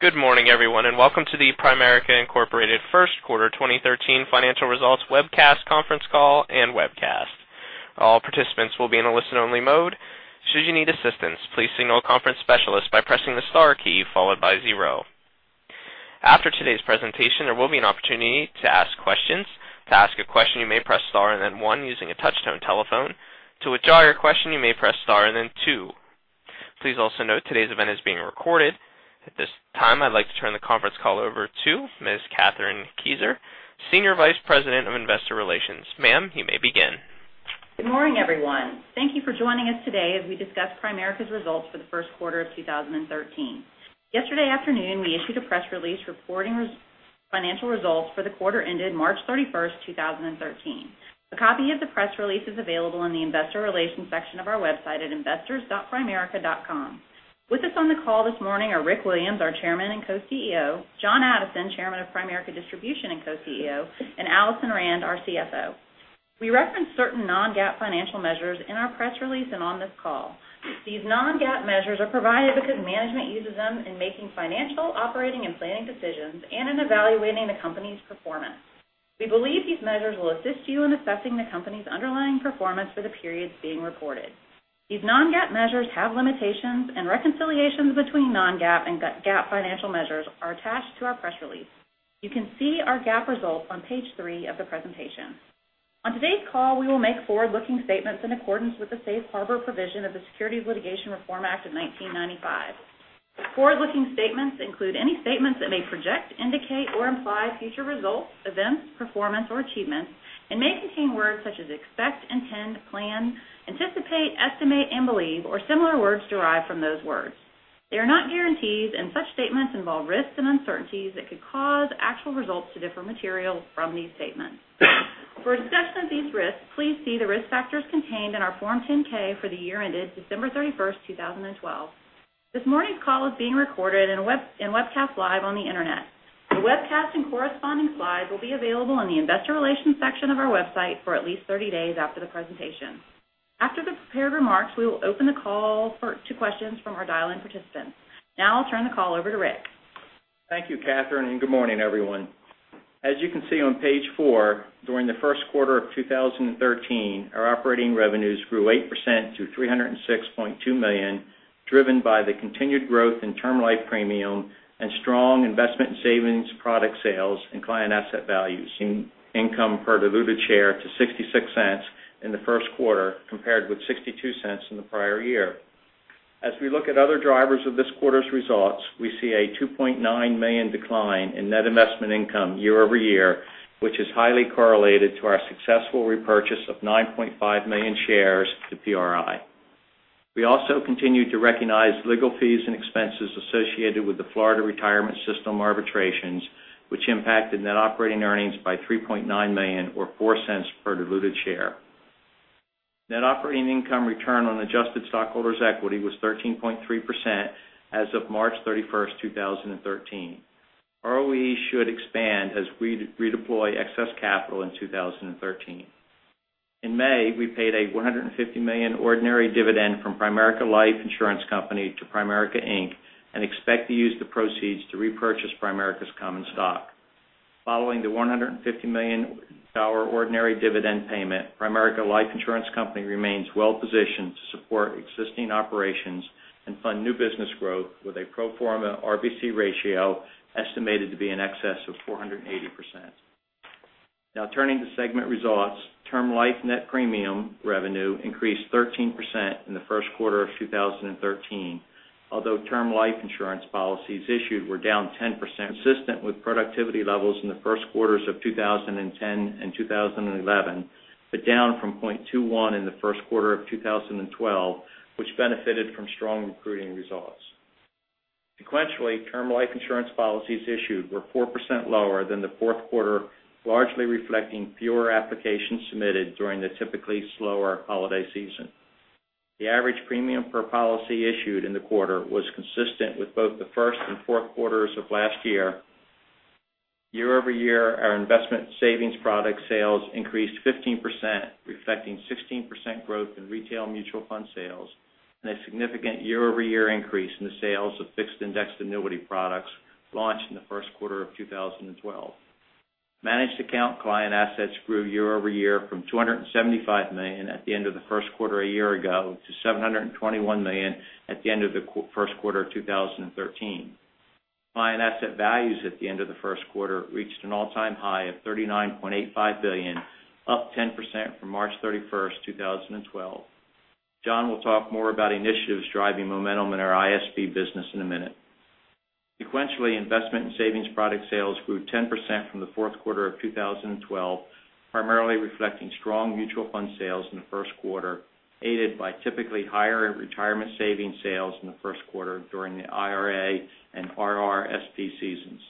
Good morning everyone, welcome to the Primerica Incorporated first quarter 2013 financial results webcast conference call and webcast. All participants will be in a listen-only mode. Should you need assistance, please signal a conference specialist by pressing the star key followed by 0. After today's presentation, there will be an opportunity to ask questions. To ask a question, you may press star and then 1 using a touch-tone telephone. To withdraw your question, you may press star and then 2. Please also note today's event is being recorded. At this time, I'd like to turn the conference call over to Ms. Kathryn Kieser, Senior Vice President of Investor Relations. Ma'am, you may begin. Good morning, everyone. Thank you for joining us today as we discuss Primerica's results for the first quarter of 2013. Yesterday afternoon, we issued a press release reporting financial results for the quarter ended March 31, 2013. A copy of the press release is available in the investor relations section of our website at investors.primerica.com. With us on the call this morning are Rick Williams, our Chairman and Co-CEO, John Addison, Chairman of Primerica Distribution and Co-CEO, and Alison Rand, our CFO. We reference certain non-GAAP financial measures in our press release and on this call. These non-GAAP measures are provided because management uses them in making financial, operating, and planning decisions and in evaluating the company's performance. We believe these measures will assist you in assessing the company's underlying performance for the periods being reported. These non-GAAP measures have limitations, reconciliations between non-GAAP and GAAP financial measures are attached to our press release. You can see our GAAP results on page three of the presentation. On today's call, we will make forward-looking statements in accordance with the safe harbor provision of the Securities Litigation Reform Act of 1995. Forward-looking statements include any statements that may project, indicate, or imply future results, events, performance, or achievements and may contain words such as expect, intend, plan, anticipate, estimate, and believe, or similar words derived from those words. They are not guarantees, such statements involve risks and uncertainties that could cause actual results to differ materially from these statements. For a discussion of these risks, please see the risk factors contained in our Form 10-K for the year ended December 31, 2012. This morning's call is being recorded and webcast live on the internet. The webcast and corresponding slides will be available in the investor relations section of our website for at least 30 days after the presentation. After the prepared remarks, we will open the call to questions from our dial-in participants. I'll turn the call over to Rick. Thank you, Kathryn, and good morning everyone. As you can see on page four, during the first quarter of 2013, our operating revenues grew 8% to $306.2 million, driven by the continued growth in term life premium and strong investment and savings product sales and client asset values, seeing income per diluted share to $0.66 in the first quarter, compared with $0.62 in the prior year. As we look at other drivers of this quarter's results, we see a $2.9 million decline in net investment income year-over-year, which is highly correlated to our successful repurchase of 9.5 million shares to PRI. We also continue to recognize legal fees and expenses associated with the Florida Retirement System arbitrations, which impacted net operating earnings by $3.9 million or $0.04 per diluted share. Net operating income return on adjusted stockholders' equity was 13.3% as of March 31st, 2013. ROE should expand as we redeploy excess capital in 2013. In May, we paid a $150 million ordinary dividend from Primerica Life Insurance Company to Primerica, Inc. and expect to use the proceeds to repurchase Primerica's common stock. Following the $150 million ordinary dividend payment, Primerica Life Insurance Company remains well-positioned to support existing operations and fund new business growth with a pro forma RBC ratio estimated to be in excess of 480%. Now turning to segment results. Term life net premium revenue increased 13% in the first quarter of 2013. Although term life insurance policies issued were down 10%, consistent with productivity levels in the first quarters of 2010 and 2011, but down from 0.21 in the first quarter of 2012, which benefited from strong recruiting results. Sequentially, term life insurance policies issued were 4% lower than the fourth quarter, largely reflecting fewer applications submitted during the typically slower holiday season. The average premium per policy issued in the quarter was consistent with both the first and fourth quarters of last year. Year-over-year, our investment savings product sales increased 15%, reflecting 16% growth in retail mutual fund sales and a significant year-over-year increase in the sales of fixed indexed annuity products launched in the first quarter of 2012. Managed account client assets grew year-over-year from $275 million at the end of the first quarter a year ago to $721 million at the end of the first quarter of 2013. Client asset values at the end of the first quarter reached an all-time high of $39.85 billion, up 10% from March 31st, 2012. John will talk more about initiatives driving momentum in our ISP business in a minute. Sequentially, investment and savings product sales grew 10% from the fourth quarter of 2012, primarily reflecting strong mutual fund sales in the first quarter, aided by typically higher retirement savings sales in the first quarter during the IRA and RRSP seasons.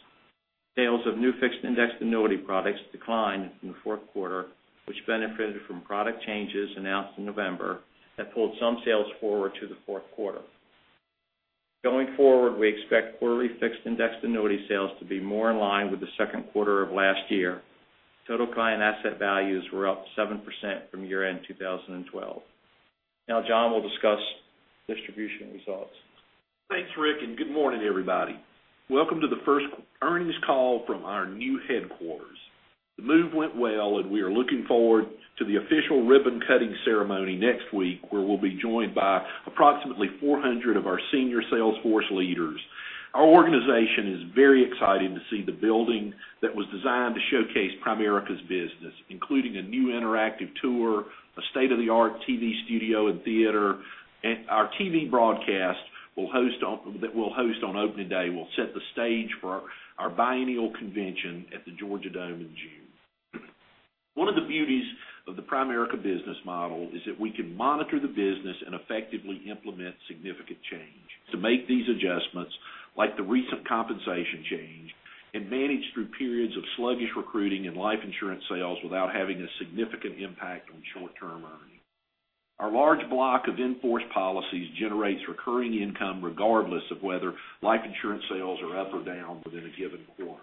Sales of new fixed indexed annuity products declined from the fourth quarter, which benefited from product changes announced in November that pulled some sales forward to the fourth quarter. Going forward, we expect quarterly fixed indexed annuity sales to be more in line with the second quarter of last year. Total client asset values were up 7% from year-end 2012. Now John will discuss Distribution results. Thanks, Rick. Good morning, everybody. Welcome to the first earnings call from our new headquarters. The move went well. We are looking forward to the official ribbon-cutting ceremony next week, where we'll be joined by approximately 400 of our senior sales force leaders. Our organization is very excited to see the building that was designed to showcase Primerica's business, including a new interactive tour, a state-of-the-art TV studio and theater. Our TV broadcast that we'll host on opening day will set the stage for our biennial convention at the Georgia Dome in June. One of the beauties of the Primerica business model is that we can monitor the business and effectively implement significant change to make these adjustments, like the recent compensation change, and manage through periods of sluggish recruiting and life insurance sales without having a significant impact on short-term earnings. Our large block of in-force policies generates recurring income regardless of whether life insurance sales are up or down within a given quarter.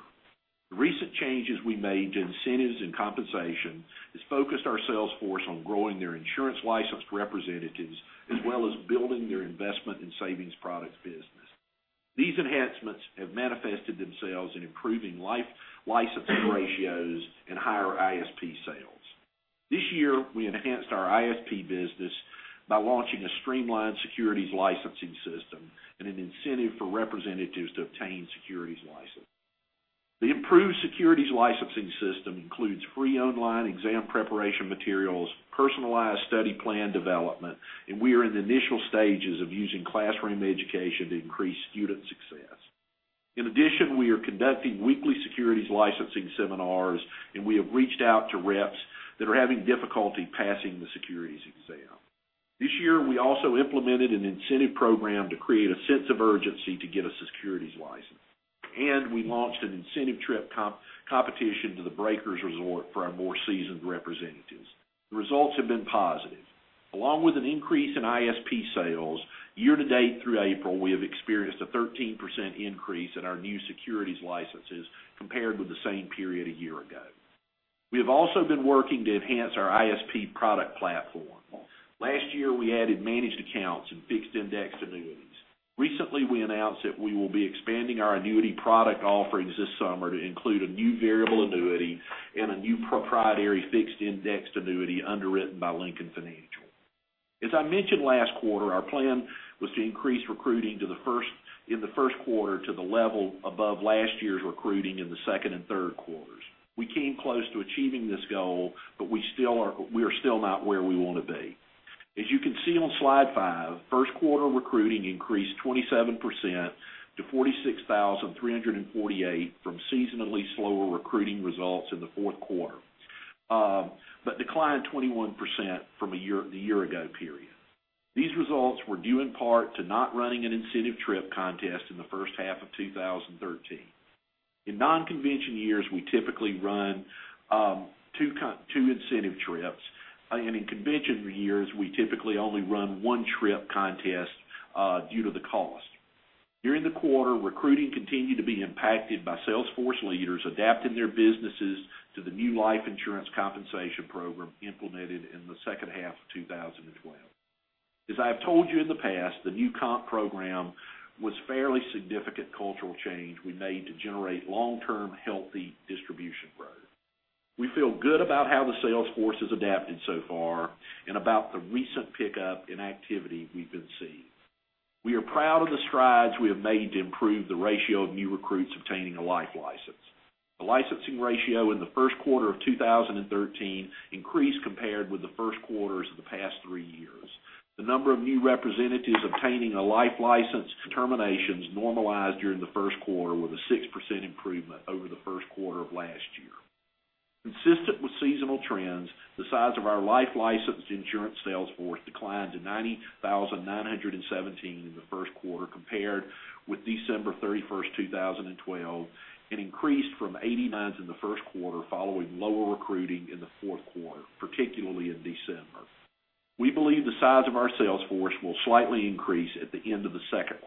The recent changes we made to incentives and compensation has focused our sales force on growing their insurance-licensed representatives, as well as building their investment in savings products business. These enhancements have manifested themselves in improving life licensing ratios and higher ISP sales. This year, we enhanced our ISP business by launching a streamlined securities licensing system and an incentive for representatives to obtain securities licenses. The improved securities licensing system includes free online exam preparation materials, personalized study plan development. We are in the initial stages of using classroom education to increase student success. In addition, we are conducting weekly securities licensing seminars. We have reached out to reps that are having difficulty passing the securities exam. This year, we also implemented an incentive program to create a sense of urgency to get a securities license. We launched an incentive trip competition to The Breakers resort for our more seasoned representatives. The results have been positive. Along with an increase in ISP sales, year-to-date through April, we have experienced a 13% increase in our new securities licenses compared with the same period a year ago. We have also been working to enhance our ISP product platform. Last year, we added managed accounts and fixed indexed annuities. Recently, we announced that we will be expanding our annuity product offerings this summer to include a new variable annuity and a new proprietary fixed indexed annuity underwritten by Lincoln Financial. As I mentioned last quarter, our plan was to increase recruiting in the first quarter to the level above last year's recruiting in the second and third quarters. We came close to achieving this goal, but we are still not where we want to be. As you can see on slide five, first quarter recruiting increased 27% to 46,348 from seasonally slower recruiting results in the fourth quarter, but declined 21% from the year ago period. These results were due in part to not running an incentive trip contest in the first half of 2013. In non-convention years, we typically run two incentive trips, and in convention years, we typically only run one trip contest due to the cost. During the quarter, recruiting continued to be impacted by sales force leaders adapting their businesses to the new life insurance compensation program implemented in the second half of 2012. As I have told you in the past, the new comp program was fairly significant cultural change we made to generate long-term, healthy distribution growth. We feel good about how the sales force has adapted so far and about the recent pickup in activity we've been seeing. We are proud of the strides we have made to improve the ratio of new recruits obtaining a life license. The licensing ratio in the first quarter of 2013 increased compared with the first quarters of the past three years. The number of new representatives obtaining a life license terminations normalized during the first quarter, with a 6% improvement over the first quarter of last year. Consistent with seasonal trends, the size of our life-licensed insurance sales force declined to 90,917 in the first quarter compared with December 31st, 2012, and increased from 89 in the first quarter following lower recruiting in the fourth quarter, particularly in December. We believe the size of our sales force will slightly increase at the end of the second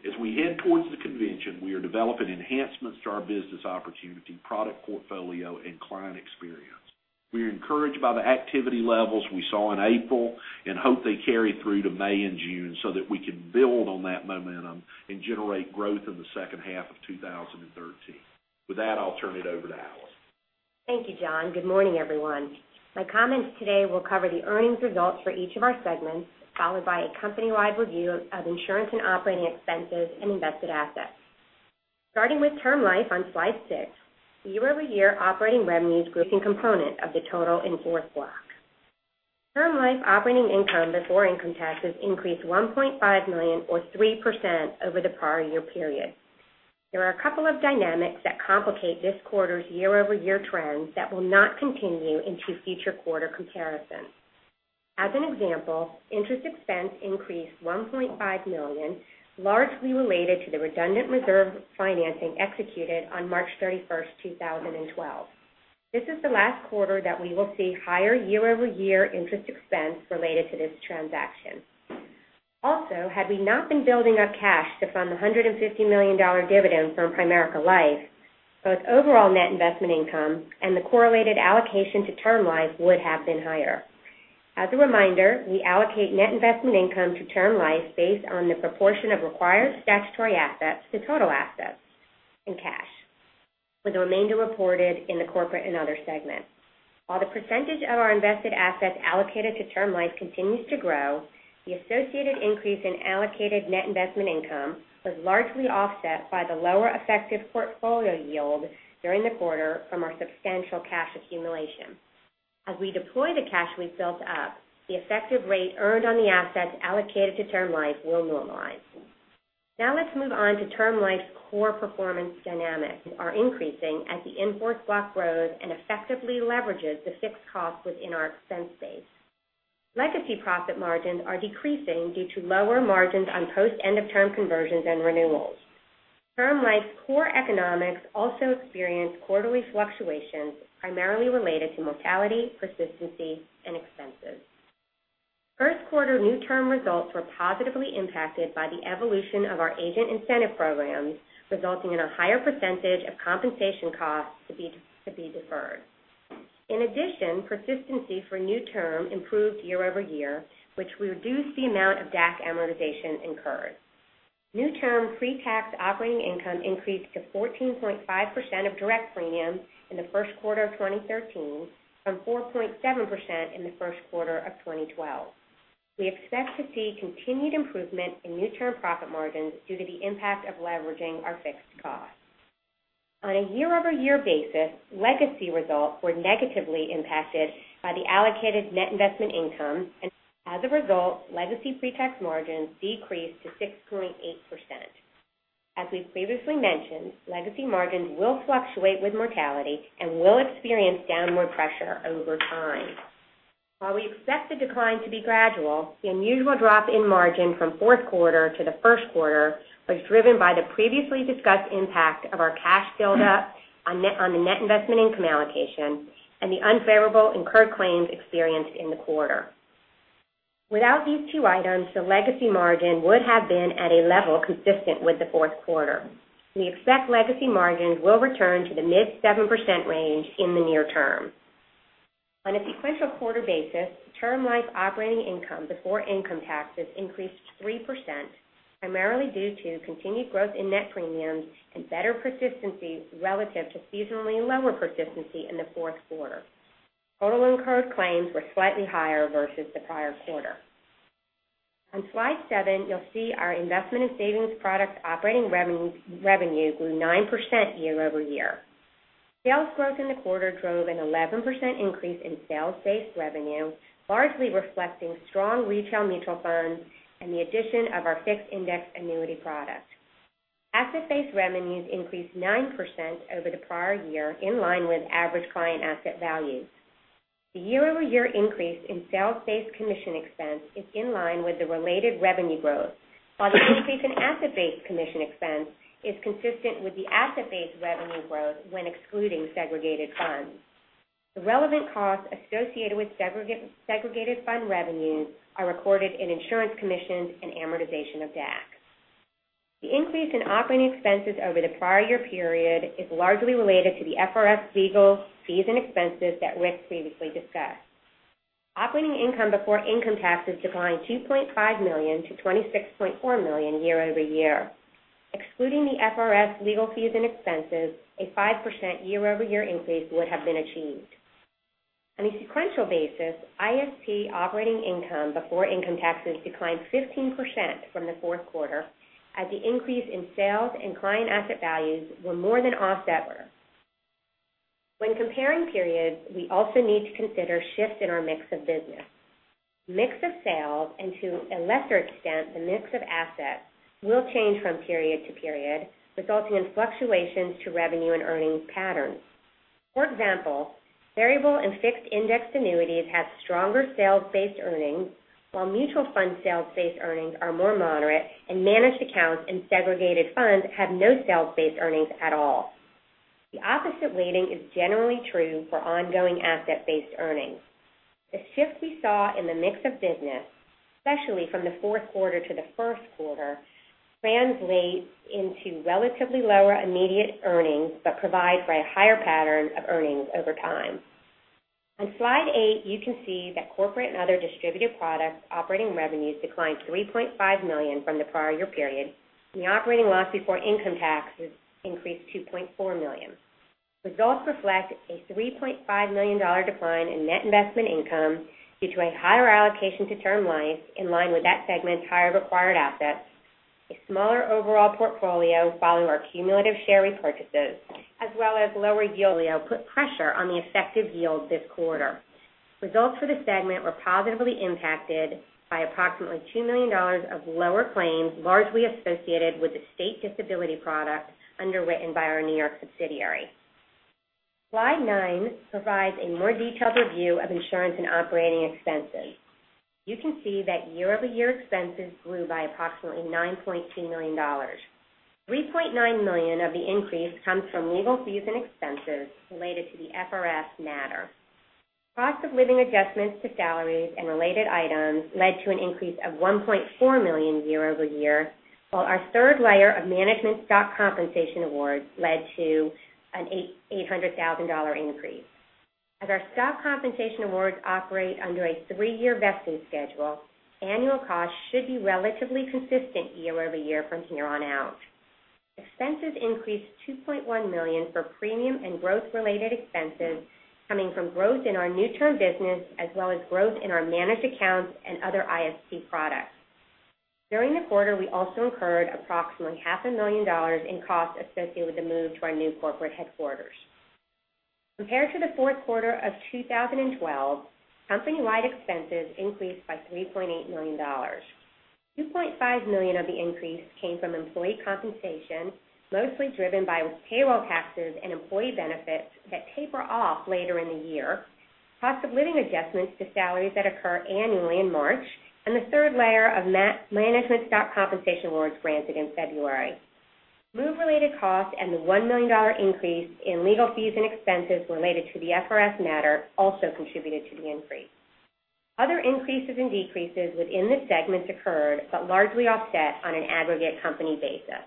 quarter. As we head towards the convention, we are developing enhancements to our business opportunity, product portfolio, and client experience. We are encouraged by the activity levels we saw in April and hope they carry through to May and June so that we can build on that momentum and generate growth in the second half of 2013. With that, I'll turn it over to Alison. Thank you, John. Good morning, everyone. My comments today will cover the earnings results for each of our segments, followed by a company-wide review of insurance and operating expenses and invested assets. Starting with Term Life on slide six, year-over-year operating revenues growing component of the total in force block. Term Life operating income before income taxes increased $1.5 million or 3% over the prior year period. There are a couple of dynamics that complicate this quarter's year-over-year trends that will not continue into future quarter comparisons. As an example, interest expense increased $1.5 million, largely related to the redundant reserve financing executed on March 31st, 2012. This is the last quarter that we will see higher year-over-year interest expense related to this transaction. Had we not been building up cash to fund the $150 million dividend from Primerica Life, both overall net investment income and the correlated allocation to Term Life would have been higher. As a reminder, we allocate net investment income to Term Life based on the proportion of required statutory assets to total assets in cash, with the remainder reported in the Corporate and Other segment. While the percentage of our invested assets allocated to Term Life continues to grow, the associated increase in allocated net investment income was largely offset by the lower effective portfolio yield during the quarter from our substantial cash accumulation. We deploy the cash we built up, the effective rate earned on the assets allocated to Term Life will normalize. Let's move on to Term Life's core performance dynamics are increasing as the in-force block grows and effectively leverages the fixed costs within our expense base. Legacy profit margins are decreasing due to lower margins on post end-of-term conversions and renewals. Term Life's core economics also experienced quarterly fluctuations, primarily related to mortality, persistency, and expenses. First quarter new term results were positively impacted by the evolution of our agent incentive programs, resulting in a higher % of compensation costs to be deferred. Persistency for new term improved year-over-year, which reduced the amount of DAC amortization incurred. New term pre-tax operating income increased to 14.5% of direct premiums in the first quarter of 2013 from 4.7% in the first quarter of 2012. We expect to see continued improvement in new term profit margins due to the impact of leveraging our fixed costs. On a year-over-year basis, Legacy results were negatively impacted by the allocated net investment income. As a result, Legacy pretax margins decreased to 6.8%. We've previously mentioned, Legacy margins will fluctuate with mortality and will experience downward pressure over time. While we expect the decline to be gradual, the unusual drop in margin from fourth quarter to the first quarter was driven by the previously discussed impact of our cash build up on the net investment income allocation and the unfavorable incurred claims experienced in the quarter. Without these two items, the Legacy margin would have been at a level consistent with the fourth quarter. We expect Legacy margins will return to the mid 7% range in the near term. On a sequential quarter basis, Term Life operating income before income taxes increased 3%, primarily due to continued growth in net premiums and better persistency relative to seasonally lower persistency in the fourth quarter. Total incurred claims were slightly higher versus the prior quarter. On slide seven, you'll see our Investment & Savings Products operating revenue grew 9% year-over-year. Sales growth in the quarter drove an 11% increase in sales-based revenue, largely reflecting strong retail mutual funds and the addition of our fixed indexed annuity product. Asset-based revenues increased 9% over the prior year, in line with average client asset values. The year-over-year increase in sales-based commission expense is in line with the related revenue growth, while the increase in asset-based commission expense is consistent with the asset-based revenue growth when excluding segregated funds. The relevant costs associated with segregated fund revenues are recorded in insurance commissions and amortization of DAC. The increase in operating expenses over the prior year period is largely related to the FRS legal fees and expenses that Rick previously discussed. Operating income before income taxes declined $2.5 million to $26.4 million year-over-year. Excluding the FRS legal fees and expenses, a 5% year-over-year increase would have been achieved. On a sequential basis, ISP operating income before income taxes declined 15% from the fourth quarter as the increase in sales and client asset values were more than offset. When comparing periods, we also need to consider shifts in our mix of business. Mix of sales, and to a lesser extent, the mix of assets, will change from period to period, resulting in fluctuations to revenue and earnings patterns. For example, variable and fixed indexed annuities have stronger sales-based earnings, while mutual fund sales-based earnings are more moderate, and managed accounts and segregated funds have no sales-based earnings at all. The opposite weighting is generally true for ongoing asset-based earnings. The shift we saw in the mix of business, especially from the fourth quarter to the first quarter, translates into relatively lower immediate earnings but provides for a higher pattern of earnings over time. On slide eight, you can see that Corporate and Other Distributed Products operating revenues declined $3.5 million from the prior year period, and the operating loss before income taxes increased $2.4 million. Results reflect a $3.5 million decline in net investment income due to a higher allocation to Term Life in line with that segment's higher required assets, a smaller overall portfolio following our cumulative share repurchases, as well as lower yield put pressure on the effective yield this quarter. Results for the segment were positively impacted by approximately $2 million of lower claims, largely associated with the state disability product underwritten by our New York subsidiary. Slide nine provides a more detailed review of insurance and operating expenses. You can see that year-over-year expenses grew by approximately $9.2 million. $3.9 million of the increase comes from legal fees and expenses related to the FRS matter. Cost of living adjustments to salaries and related items led to an increase of $1.4 million year-over-year, while our third layer of management stock compensation awards led to an $800,000 increase. As our stock compensation awards operate under a three-year vesting schedule, annual costs should be relatively consistent year-over-year from here on out. Expenses increased $2.1 million for premium and growth-related expenses coming from growth in our new term business as well as growth in our managed accounts and other ISP products. During the quarter, we also incurred approximately half a million dollars in costs associated with the move to our new corporate headquarters. Compared to the fourth quarter of 2012, company-wide expenses increased by $3.8 million. $2.5 million of the increase came from employee compensation, mostly driven by payroll taxes and employee benefits that taper off later in the year, cost of living adjustments to salaries that occur annually in March, and the third layer of management stock compensation awards granted in February. Move-related costs and the $1 million increase in legal fees and expenses related to the FRS matter also contributed to the increase. Other increases and decreases within the segments occurred but largely offset on an aggregate company basis.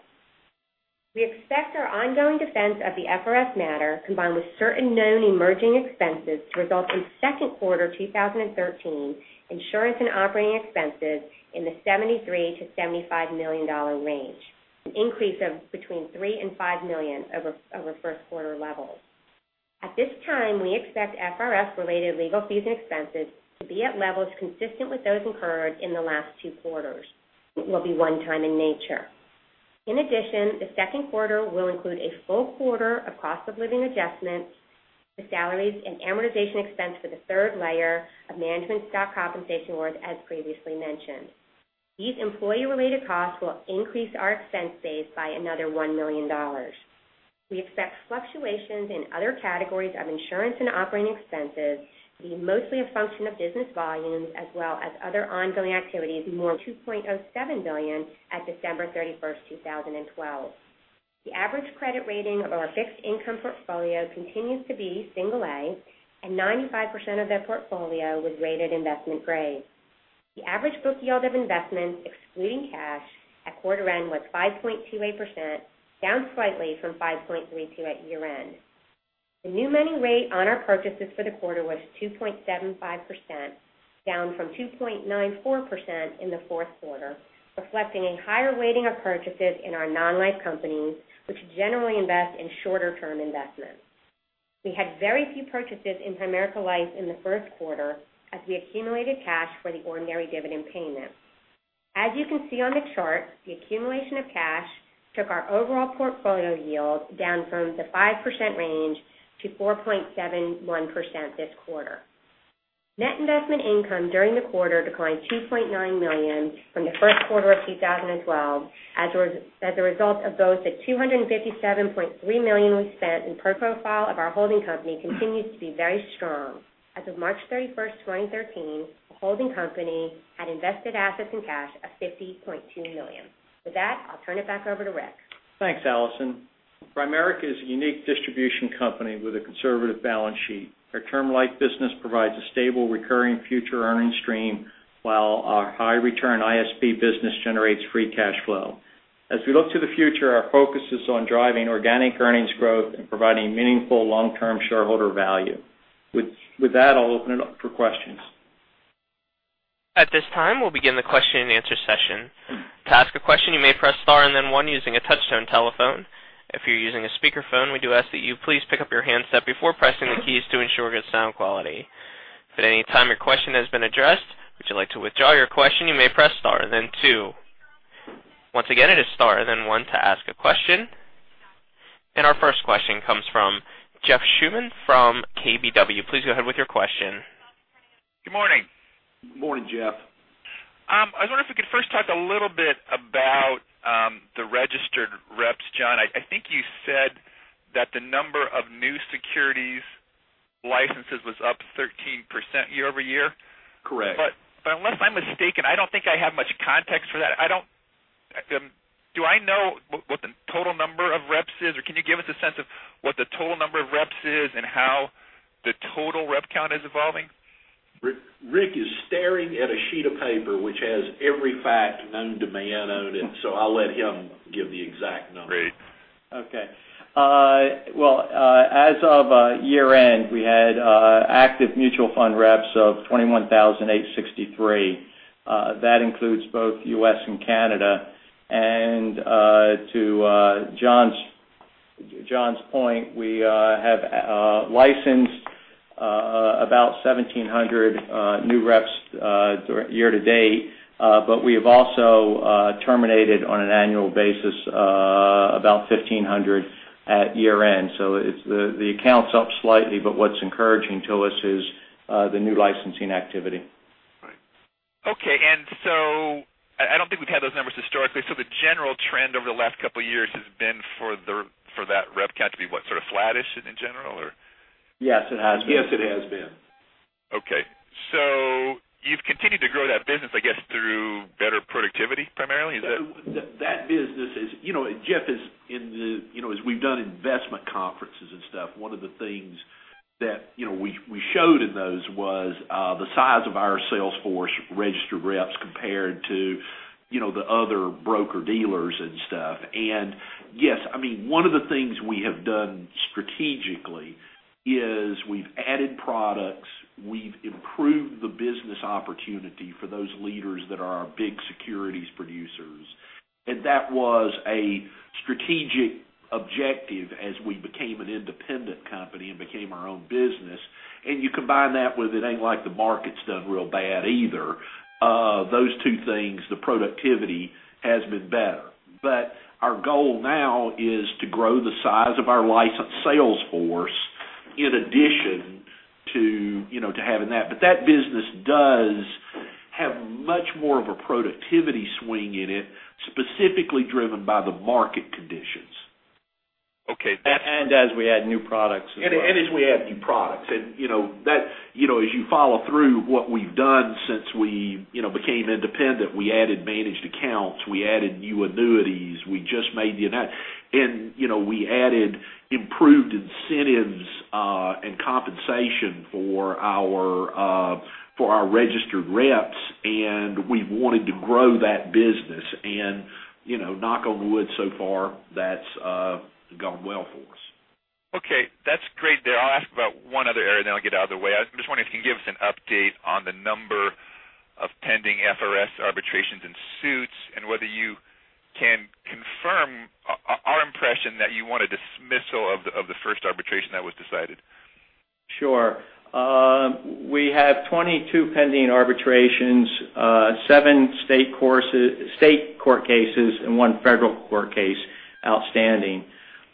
We expect our ongoing defense of the FRS matter, combined with certain known emerging expenses, to result in second quarter 2013 insurance and operating expenses in the $73 million-$75 million range, an increase of between $3 million and $5 million over first quarter levels. At this time, we expect FRS-related legal fees and expenses to be at levels consistent with those incurred in the last two quarters. It will be one time in nature. In addition, the second quarter will include a full quarter of cost of living adjustments to salaries and amortization expense for the third layer of management stock compensation awards, as previously mentioned. These employee-related costs will increase our expense base by another $1 million. We expect fluctuations in other categories of insurance and operating expenses to be mostly a function of business volumes as well as other ongoing activities more than $2.07 billion at December 31st, 2012. The average credit rating of our fixed income portfolio continues to be single A, and 95% of that portfolio was rated investment grade. The average book yield of investments, excluding cash at quarter end, was 5.28%, down slightly from 5.32% at year-end. The new money rate on our purchases for the quarter was 2.75%, down from 2.94% in the fourth quarter, reflecting a higher weighting of purchases in our non-life companies, which generally invest in shorter term investments. We had very few purchases in Primerica Life in the first quarter as we accumulated cash for the ordinary dividend payment. As you can see on the chart, the accumulation of cash took our overall portfolio yield down from the 5% range to 4.71% this quarter. Net investment income during the quarter declined $2.9 million from the first quarter of 2012, as a result of both the $257.3 million we spent and per profile of our holding company continues to be very strong. As of March 31st, 2013, the holding company had invested assets and cash of $50.2 million. With that, I'll turn it back over to Rick. Thanks, Alison. Primerica is a unique distribution company with a conservative balance sheet. Our term life business provides a stable, recurring future earning stream, while our high return ISP business generates free cash flow. As we look to the future, our focus is on driving organic earnings growth and providing meaningful long-term shareholder value. With that, I'll open it up for questions. At this time, we'll begin the question and answer session. To ask a question, you may press star and then one using a touch-tone telephone. If you're using a speakerphone, we do ask that you please pick up your handset before pressing the keys to ensure good sound quality. If at any time your question has been addressed or would you like to withdraw your question, you may press star and then two. Once again, it is star and then one to ask a question. Our first question comes from Jeff Schuman from KBW. Please go ahead with your question. Good morning. Good morning, Jeff. I was wondering if we could first talk a little bit about the registered reps. John, I think you said that the number of new securities licenses was up 13% year-over-year? Correct. Unless I'm mistaken, I don't think I have much context for that. Do I know what the total number of reps is, or can you give us a sense of what the total number of reps is and how the total rep count is evolving? Rick is staring at a sheet of paper which has every fact known to man on it, so I'll let him give the exact numbers. Great. Okay. Well, as of year-end, we had active mutual fund reps of 21,863. That includes both U.S. and Canada. To John's point, we have licensed about 1,700 new reps year to date, but we have also terminated on an annual basis about 1,500 at year-end. The account's up slightly, but what's encouraging to us is the new licensing activity. Right. Okay. I don't think we've had those numbers historically. The general trend over the last couple of years has been for that rep count to be what? Sort of flattish in general, or? Yes, it has been. Yes, it has been. Okay. You've continued to grow that business, I guess. That business is, Jeff, as we've done investment conferences and stuff, one of the things that we showed in those was the size of our sales force registered reps compared to the other broker-dealers and stuff. Yes, one of the things we have done strategically is we've added products, we've improved the business opportunity for those leaders that are our big securities producers. That was a strategic objective as we became an independent company and became our own business. You combine that with it ain't like the market's done real bad either. Those two things, the productivity has been better. Our goal now is to grow the size of our licensed sales force in addition to having that. That business does have much more of a productivity swing in it, specifically driven by the market conditions. Okay. As we add new products as well. As we add new products. As you follow through what we've done since we became independent, we added managed accounts, we added new annuities, we added improved incentives and compensation for our registered reps. We've wanted to grow that business. Knock on wood, so far that's gone well for us. Okay. That's great there. I'll ask about one other area. I'll get out of the way. I was just wondering if you can give us an update on the number of pending FRS arbitrations and suits and whether you can confirm our impression that you want a dismissal of the first arbitration that was decided. Sure. We have 22 pending arbitrations, seven state court cases, and one federal court case outstanding.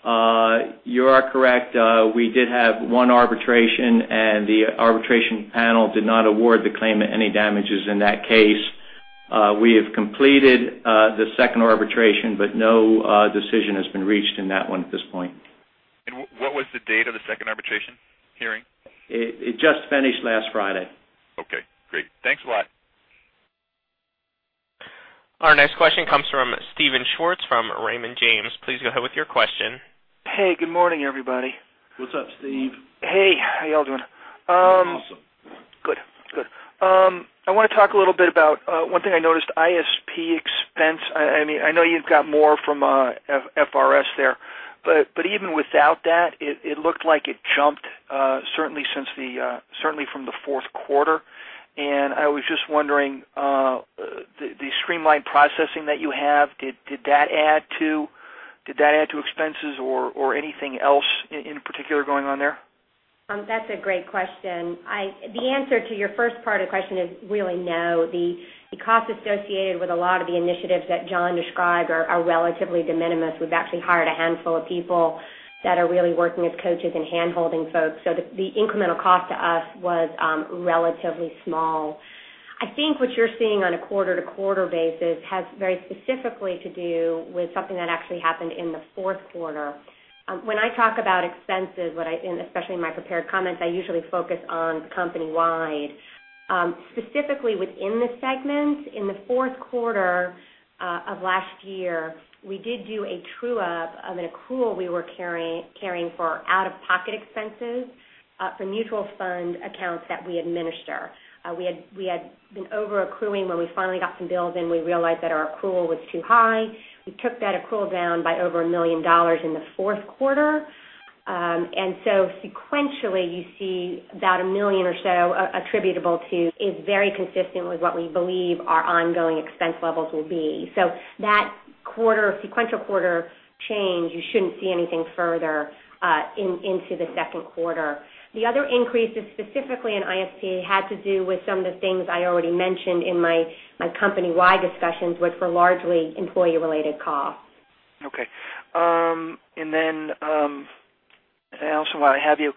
You are correct. We did have one arbitration. The arbitration panel did not award the claimant any damages in that case. We have completed the second arbitration, no decision has been reached in that one at this point. What was the date of the second arbitration hearing? It just finished last Friday. Okay, great. Thanks a lot. Our next question comes from Steven Schwartz from Raymond James. Please go ahead with your question. Hey, good morning, everybody. What's up, Steve? Hey. How y'all doing? Awesome. Good. I want to talk a little bit about one thing I noticed, ISP expense. I know you've got more from FRS there. Even without that, it looked like it jumped, certainly from the fourth quarter. I was just wondering, the streamlined processing that you have, did that add to expenses or anything else in particular going on there? That's a great question. The answer to your first part of the question is really no. The cost associated with a lot of the initiatives that John described are relatively de minimis. We've actually hired a handful of people that are really working as coaches and handholding folks. The incremental cost to us was relatively small. I think what you're seeing on a quarter-to-quarter basis has very specifically to do with something that actually happened in the fourth quarter. When I talk about expenses, and especially in my prepared comments, I usually focus on company-wide. Specifically within the segments, in the fourth quarter of last year, we did do a true-up of an accrual we were carrying for out-of-pocket expenses for mutual fund accounts that we administer. We had been over-accruing when we finally got some bills in. We realized that our accrual was too high. We took that accrual down by over $1 million in the fourth quarter. Sequentially, you see about $1 million or so attributable to is very consistent with what we believe our ongoing expense levels will be. That sequential quarter change, you shouldn't see anything further into the second quarter. The other increase is specifically in ISP had to do with some of the things I already mentioned in my company-wide discussions, which were largely employee-related costs. Okay. Alison, while I have you,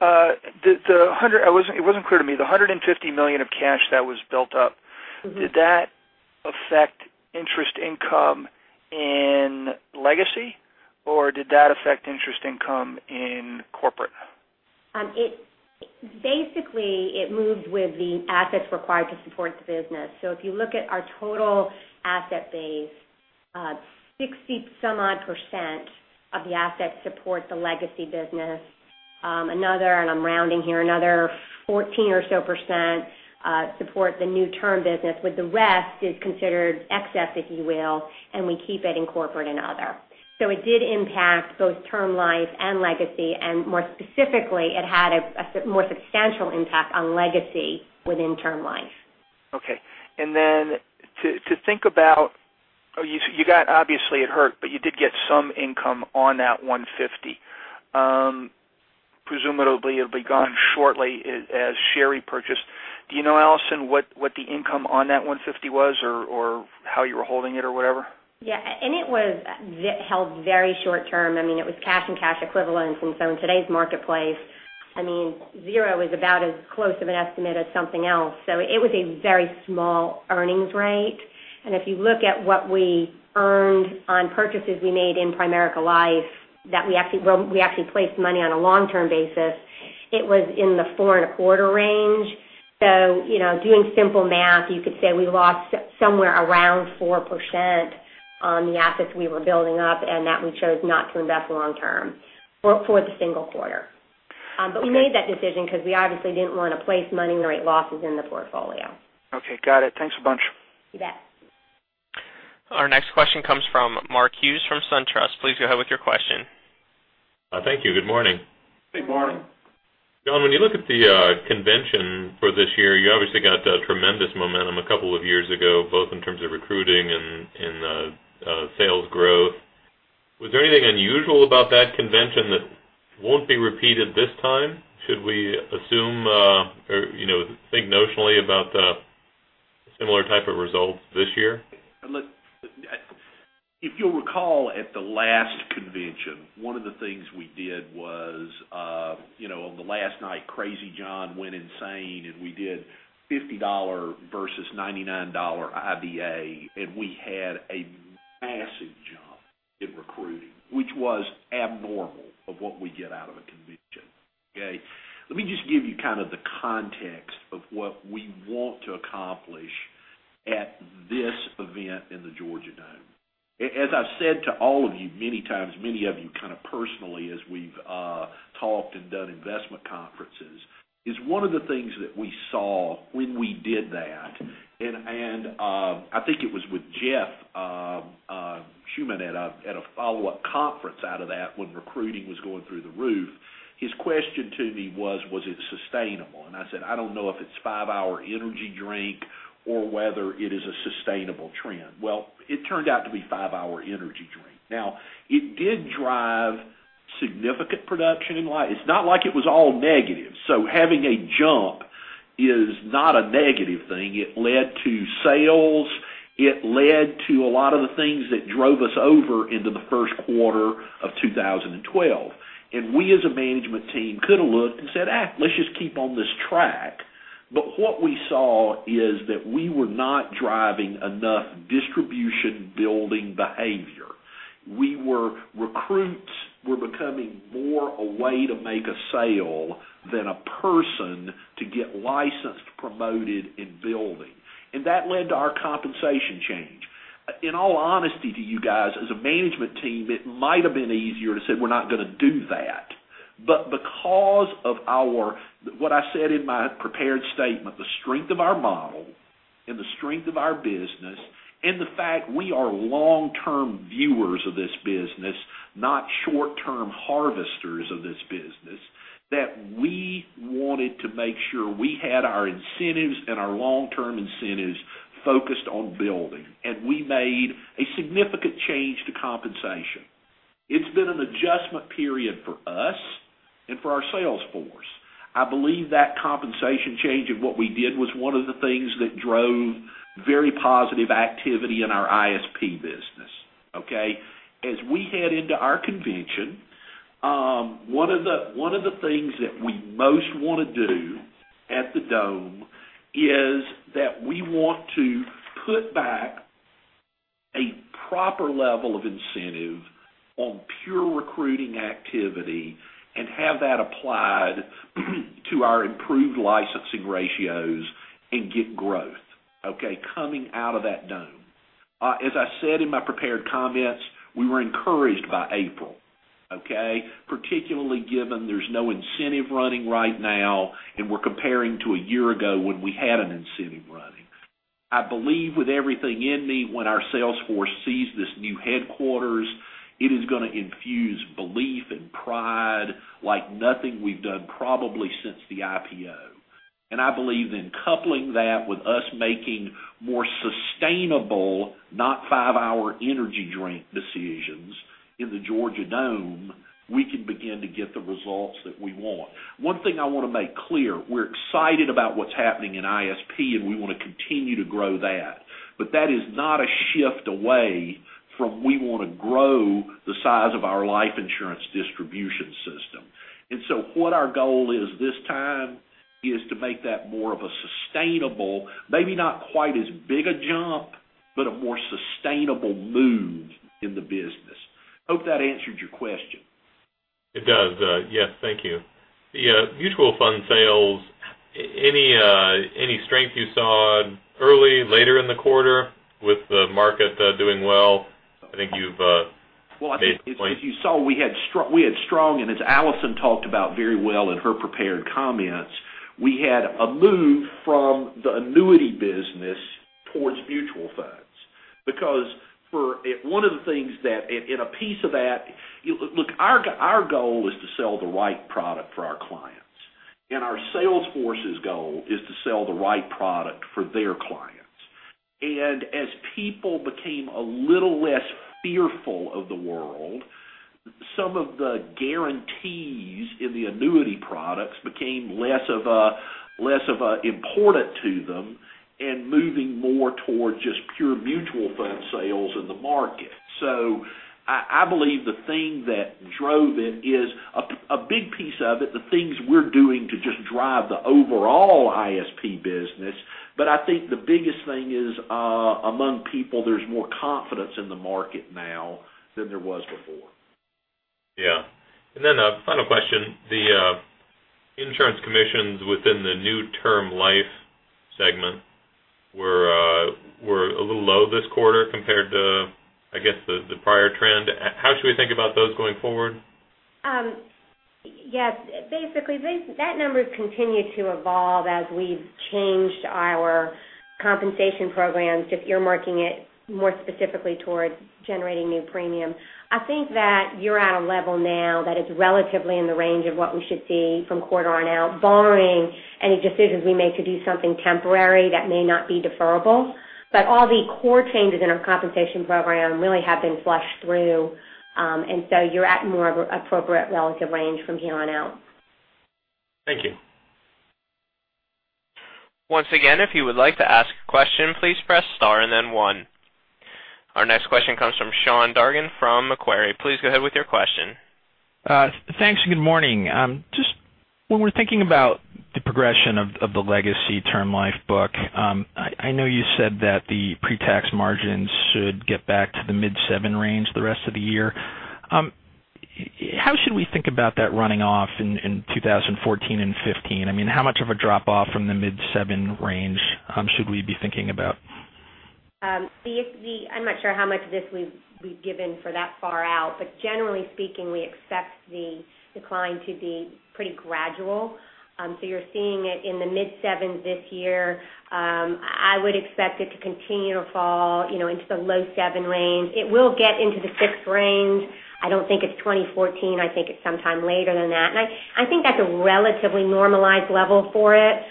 it wasn't clear to me, the $150 million of cash that was built up. Did that affect interest income in legacy, or did that affect interest income in corporate? Basically, it moved with the assets required to support the business. If you look at our total asset base, 60-some odd % of the assets support the legacy business. Another, and I'm rounding here, another 14 or so % support the new term business, with the rest is considered excess, if you will, and we keep it in corporate and other. It did impact both term life and legacy, and more specifically, it had a more substantial impact on legacy within term life. Okay. To think about, obviously it hurt, but you did get some income on that $150. Presumably, it'll be gone shortly as share repurchased. Do you know, Alison, what the income on that $150 was, or how you were holding it or whatever? Yeah. It was held very short term. It was cash and cash equivalents. In today's marketplace, zero is about as close of an estimate as something else. It was a very small earnings rate. If you look at what we earned on purchases we made in Primerica Life, that we actually placed money on a long-term basis It was in the four and a quarter range. Doing simple math, you could say we lost somewhere around 4% on the assets we were building up and that we chose not to invest long-term for the single quarter. We made that decision because we obviously didn't want to place money and generate losses in the portfolio. Okay, got it. Thanks a bunch. You bet. Our next question comes from Mark Hughes from SunTrust. Please go ahead with your question. Thank you. Good morning. Good morning. John, when you look at the convention for this year, you obviously got tremendous momentum a couple of years ago, both in terms of recruiting and sales growth. Was there anything unusual about that convention that won't be repeated this time? Should we assume or think notionally about similar type of results this year? Look, if you'll recall at the last convention, one of the things we did was on the last night, Crazy John went insane, we did $50 versus $99 IBA, we had a massive jump in recruiting, which was abnormal of what we get out of a convention. Okay? Let me just give you kind of the context of what we want to accomplish at this event in the Georgia Dome. As I've said to all of you many times, many of you kind of personally as we've talked and done investment conferences, is one of the things that we saw when we did that, I think it was with Jeff Schuman at a follow-up conference out of that when recruiting was going through the roof, his question to me was: Was it sustainable? I said, "I don't know if it's 5-hour ENERGY drink or whether it is a sustainable trend." It turned out to be 5-hour ENERGY drink. It did drive significant production in life. It's not like it was all negative. Having a jump is not a negative thing. It led to sales. It led to a lot of the things that drove us over into the first quarter of 2012. We, as a management team, could have looked and said, "Let's just keep on this track." What we saw is that we were not driving enough distribution-building behavior. Recruits were becoming more a way to make a sale than a person to get licensed, promoted, and building. That led to our compensation change. In all honesty to you guys, as a management team, it might have been easier to say, "We're not going to do that." Because of what I said in my prepared statement, the strength of our model and the strength of our business, the fact we are long-term viewers of this business, not short-term harvesters of this business, that we wanted to make sure we had our incentives and our long-term incentives focused on building, we made a significant change to compensation. It's been an adjustment period for us and for our sales force. I believe that compensation change of what we did was one of the things that drove very positive activity in our ISP business. Okay? As we head into our convention, one of the things that we most want to do at the Dome is that we want to put back a proper level of incentive on pure recruiting activity and have that applied to our improved licensing ratios and get growth, okay, coming out of that Dome. As I said in my prepared comments, we were encouraged by April, okay? Particularly given there's no incentive running right now, we're comparing to a year ago when we had an incentive running. I believe with everything in me when our sales force sees this new headquarters, it is going to infuse belief and pride like nothing we've done probably since the IPO. I believe in coupling that with us making more sustainable, not 5-hour ENERGY drink decisions in the Georgia Dome, we can begin to get the results that we want. One thing I want to make clear, we're excited about what's happening in ISP, we want to continue to grow that. That is not a shift away from we want to grow the size of our life insurance distribution system. What our goal is this time is to make that more of a sustainable, maybe not quite as big a jump, but a more sustainable move in the business. Hope that answered your question. It does. Yes, thank you. The mutual fund sales, any strength you saw early, later in the quarter with the market doing well? I think you've made a point. Well, I think as you saw, we had strong, and as Alison talked about very well in her prepared comments, we had a move from the annuity business towards mutual funds. Because for one of the things that, look, our goal is to sell the right product for our clients, and our sales force's goal is to sell the right product for their clients. As people became a little less fearful of the world, some of the guarantees in the annuity products became less of a important to them and moving more towards just pure mutual fund sales in the market. I believe the thing that drove it is a big piece of it, the things we're doing to just drive the overall ISP business. I think the biggest thing is, among people, there's more confidence in the market now than there was before. Yeah. Then a final question Insurance commissions within the new term life segment were a little low this quarter compared to, I guess, the prior trend. How should we think about those going forward? Yes. Basically, that number continued to evolve as we've changed our compensation programs, if you're marking it more specifically towards generating new premium. I think that you're at a level now that is relatively in the range of what we should see from quarter on out, barring any decisions we make to do something temporary that may not be deferrable. All the core changes in our compensation program really have been flushed through. You're at more of an appropriate relative range from here on out. Thank you. Once again, if you would like to ask a question, please press star and then one. Our next question comes from Sean Dargan from Macquarie. Please go ahead with your question. Thanks, and good morning. Just when we're thinking about the progression of the legacy term life book, I know you said that the pre-tax margins should get back to the mid seven range the rest of the year. How should we think about that running off in 2014 and 2015? I mean, how much of a drop-off from the mid seven range should we be thinking about? I'm not sure how much of this we've given for that far out, generally speaking, we expect the decline to be pretty gradual. You're seeing it in the mid sevens this year. I would expect it to continue to fall into the low seven range. It will get into the six range. I don't think it's 2014. I think it's sometime later than that. I think that's a relatively normalized level for it.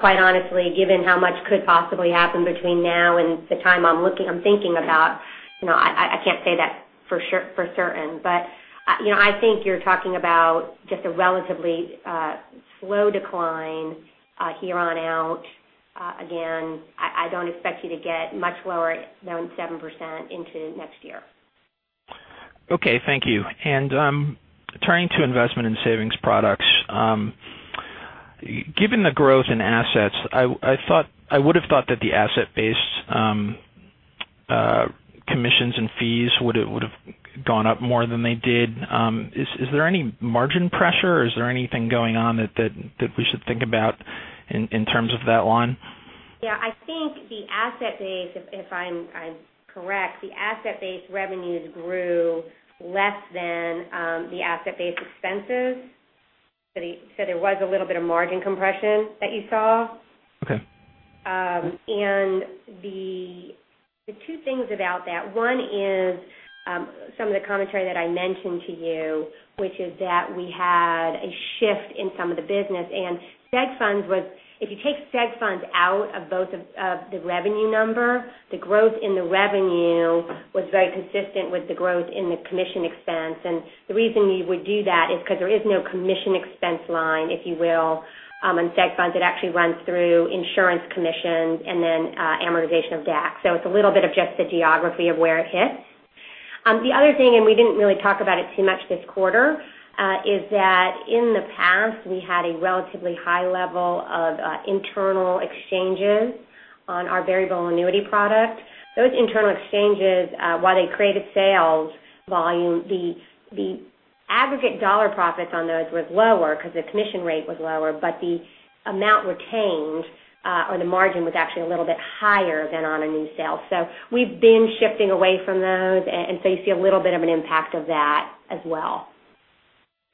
Quite honestly, given how much could possibly happen between now and the time I'm thinking about, I can't say that for certain. I think you're talking about just a relatively slow decline here on out. Again, I don't expect you to get much lower than 7% into next year. Okay. Thank you. Turning to investment in savings products, given the growth in assets, I would have thought that the asset-based commissions and fees would have gone up more than they did. Is there any margin pressure, or is there anything going on that we should think about in terms of that line? Yeah, I think the asset base, if I'm correct, the asset-based revenues grew less than the asset-based expenses. There was a little bit of margin compression that you saw. Okay. The two things about that, one is some of the commentary that I mentioned to you, which is that we had a shift in some of the business, and Seg funds was, if you take Seg funds out of both of the revenue number, the growth in the revenue was very consistent with the growth in the commission expense. The reason you would do that is because there is no commission expense line, if you will, on Seg funds. It actually runs through insurance commissions and then amortization of DAC. It's a little bit of just the geography of where it hits. The other thing, and we didn't really talk about it too much this quarter, is that in the past, we had a relatively high level of internal exchanges on our variable annuity product. Those internal exchanges, while they created sales volume, the aggregate dollar profits on those was lower because the commission rate was lower, but the amount retained or the margin was actually a little bit higher than on a new sale. We've been shifting away from those, and so you see a little bit of an impact of that as well.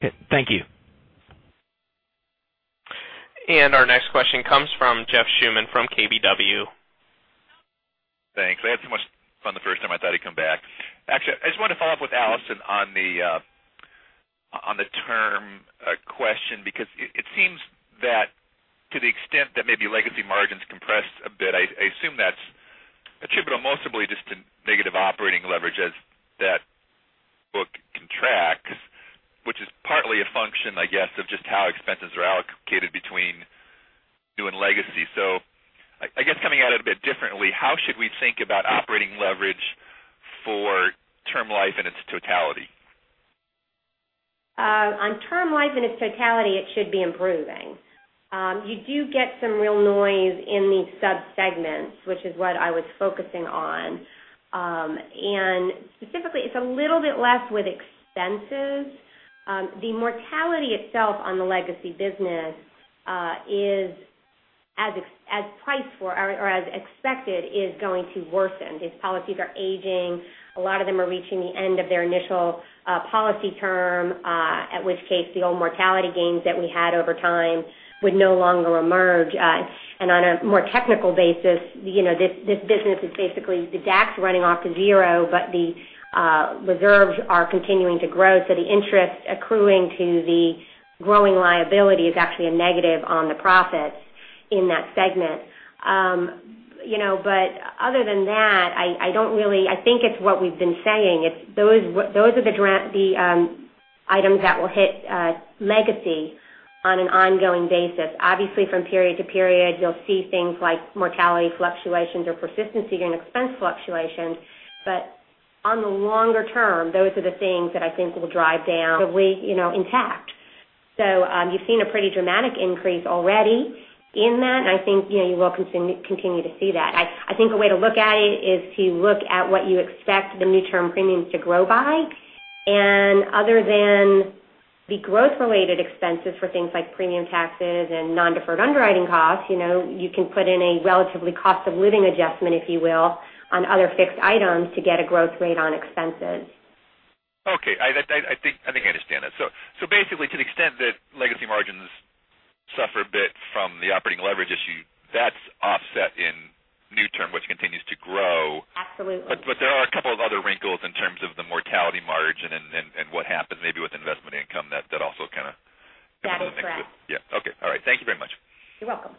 Okay. Thank you. Our next question comes from Jeff Schuman from KBW. Thanks. I had so much fun the first time, I thought I'd come back. Actually, I just wanted to follow up with Alison on the term question, because it seems that to the extent that maybe legacy margins compressed a bit, I assume that's attributable mostly just to negative operating leverage as that book contracts, which is partly a function, I guess, of just how expenses are allocated between new and legacy. I guess coming at it a bit differently, how should we think about operating leverage for term life in its totality? On term life in its totality, it should be improving. You do get some real noise in these sub-segments, which is what I was focusing on. Specifically, it's a little bit less with expenses. The mortality itself on the legacy business is as priced for or as expected, is going to worsen. These policies are aging. A lot of them are reaching the end of their initial policy term, at which case the old mortality gains that we had over time would no longer emerge. On a more technical basis, this business is basically the DAC's running off to zero, but the reserves are continuing to grow. The interest accruing to the growing liability is actually a negative on the profits in that segment. Other than that, I think it's what we've been saying. Those are the items that will hit legacy on an ongoing basis. Obviously, from period to period, you'll see things like mortality fluctuations or persistency and expense fluctuations. On the longer term, those are the things that I think will drive down the weight intact. You've seen a pretty dramatic increase already in that, and I think you will continue to see that. I think a way to look at it is to look at what you expect the new term premiums to grow by. Other than the growth-related expenses for things like premium taxes and non-deferred underwriting costs, you can put in a relatively cost-of-living adjustment, if you will, on other fixed items to get a growth rate on expenses. Okay. I think I understand that. Basically, to the extent that legacy margins suffer a bit from the operating leverage issue, that's offset in new term, which continues to grow. Absolutely. There are a couple of other wrinkles in terms of the mortality margin and what happens maybe with investment income that also kind of comes into the mix. That is correct. Yeah. Okay. All right. Thank you very much. You're welcome.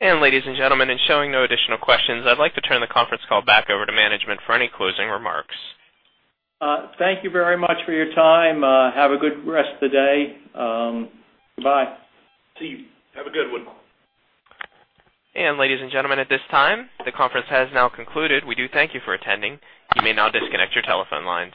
Ladies and gentlemen, in showing no additional questions, I'd like to turn the conference call back over to management for any closing remarks. Thank you very much for your time. Have a good rest of the day. Goodbye. See you. Have a good one. Ladies and gentlemen, at this time, the conference has now concluded. We do thank you for attending. You may now disconnect your telephone lines.